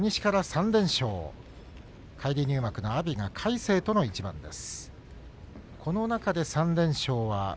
返り入幕の阿炎は魁聖との一番です。